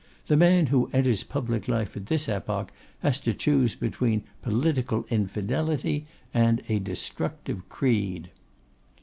The man who enters public life at this epoch has to choose between Political Infidelity and a Destructive Creed.